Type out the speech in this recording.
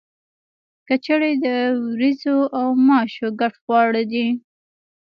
کچړي د وریجو او ماشو ګډ خواړه دي.